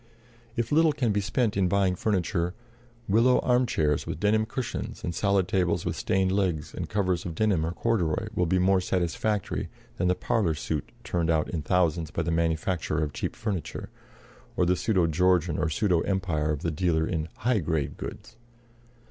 If little can be spent in buying furniture, willow arm chairs with denim cushions and solid tables with stained legs and covers of denim or corduroy will be more satisfactory than the "parlor suit" turned out in thousands by the manufacturer of cheap furniture, or the pseudo Georgian or pseudo Empire of the dealer in "high grade goods."